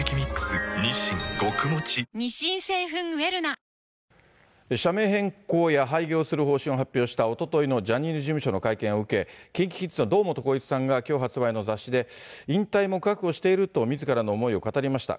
睡眠サポート「グリナ」社名変更や廃業する方針を発表したおとといのジャニーズ事務所の会見を受け、ＫｉｎＫｉＫｉｄｓの堂本光一さんがきょう発売の雑誌で、引退も覚悟していると、みずからの思いを語りました。